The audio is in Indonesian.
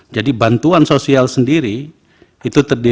jadi bantuan sosial sendiri itu terdapat